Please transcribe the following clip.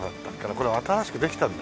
これ新しくできたんだ。